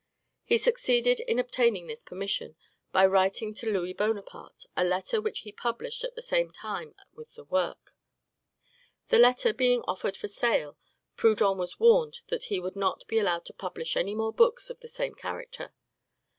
He succeeded in obtaining this permission by writing to Louis Bonaparte a letter which he published at the same time with the work. The latter being offered for sale, Proudhon was warned that he would not be allowed to publish any more books of the same character.